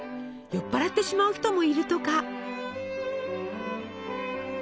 酔っ払ってしまう人もいるとか。